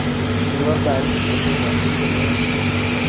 Kiwo Paris kosomanji tienwogik